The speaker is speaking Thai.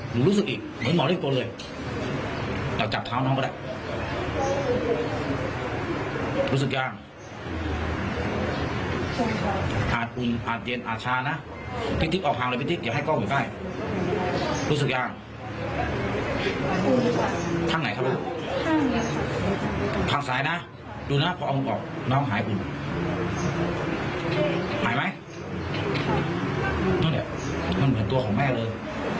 รู้สึกยากยังอาหารอาการหายภูมิของแม่เลย